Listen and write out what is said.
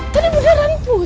tadi gue nggak salah lihat